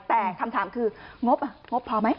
แต่คำถามคืองบงบพอไหม